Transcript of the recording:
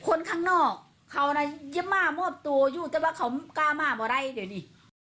คนข้างนอกเขาน่ะจะมามอบตัวอยู่แต่ว่าเขากล้ามาอะไรเดี๋ยวนี้